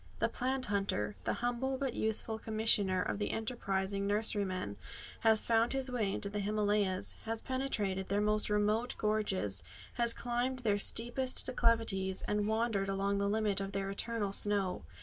The plant hunter the humble but useful commissioner of the enterprising nurseryman has found his way into the Himalayas; has penetrated their most remote gorges; has climbed their steepest declivities; and wandered along the limit of their eternal snow.